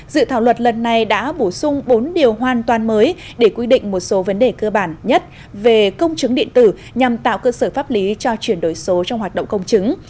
dự thảo luật lần này đã bổ sung bốn điều hoàn toàn mới để quy định một số vấn đề cơ bản nhất về công chứng điện tử nhằm tạo cơ sở pháp lý cho chuyển đổi số trong hoạt động công chứng